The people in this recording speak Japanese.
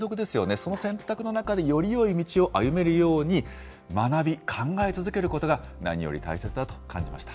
その選択の中でよりよい道を歩めるように、学び、考え続けることが、何より大切だと感じました。